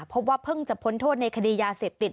พบว่าเพิ่งจะพ้นโทษในคดียาเสพติด